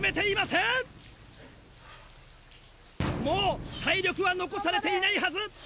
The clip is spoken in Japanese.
もう体力は残されていないはず。